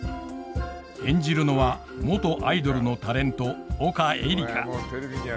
演じるのは元アイドルのタレント丘えりか。